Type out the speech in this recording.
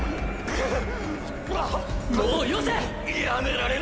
くっ！